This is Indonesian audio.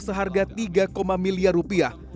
seharga tiga miliar rupiah